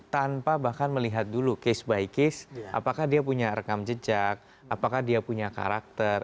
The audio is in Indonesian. tanpa bahkan melihat dulu case by case apakah dia punya rekam jejak apakah dia punya karakter